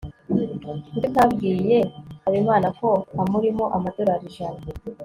kuki utabwiye habimana ko amurimo amadolari ijana